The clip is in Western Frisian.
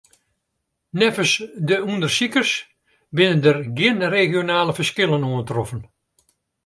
Neffens de ûndersikers binne der gjin regionale ferskillen oantroffen.